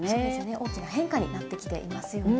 大きな変化になってきていますよね。